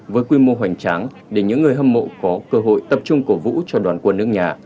với quy mô hoành tráng để những người hâm mộ có cơ hội tập trung cổ vũ cho đoàn quân nước nhà